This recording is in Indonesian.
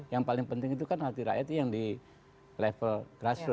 yang paling penting itu kan hati rakyat yang di level grassroot